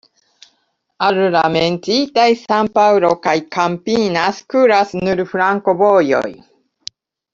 Al la menciitaj San-Paŭlo kaj Campinas kuras nur flankovojoj.